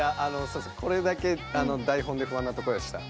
これだけ台本で不安なとこでした。